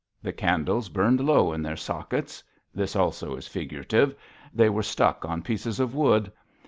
The candles burned low in their sockets this, also, is figurative; they were stuck on pieces of wood.